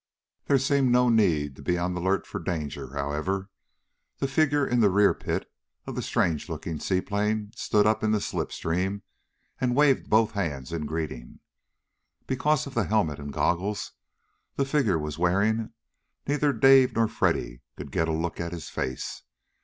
There seemed no need to be on the alert for danger, however. The figure in the rear pit of the strange looking seaplane stood up in the slip stream and waved both hands in greeting. Because of the helmet and goggles the figure was wearing neither Dave nor Freddy could get a look at his face.